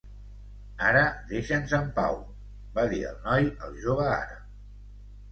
"Ara deixa'ns en pau", va dir el noi al jove àrab.